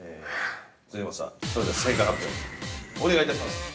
◆辻本さん、それでは正解発表お願いいたします。